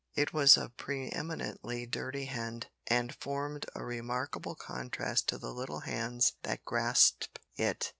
It was a pre eminently dirty hand, and formed a remarkable contrast to the little hands that grasped it!